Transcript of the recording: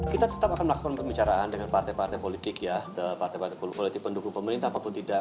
kita tetap akan melakukan pembicaraan dengan partai partai politik ya partai partai politik pendukung pemerintah apapun tidak